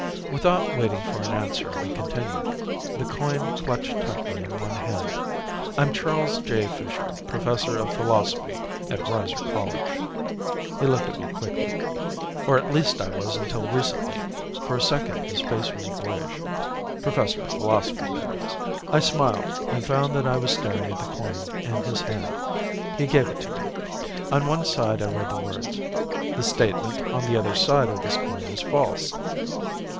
Without waiting for an answer, he continued, the coin clutched tightly in one hand. "I'm Charles J. Fisher, professor of Philosophy at Reiser College." He looked at me quickly. "Or at least I was until recently." For a second his face was boyish. "Professor of Philosophy, that is." I smiled and found that I was staring at the coin in his hand. He gave it to me. On one side I read the words: THE STATEMENT ON THE OTHER SIDE OF THIS COIN IS FALSE.